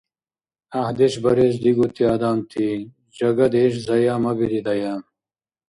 ГӀяхӀдеш барес дигути адамти, жагадеш заямабиридая!